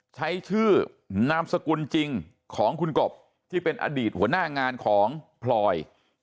ใช้ชื่อนามสกุลจริงของคุณกบที่เป็นอดีตหัวหน้างานของพลอย